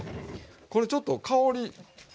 これちょっと香り。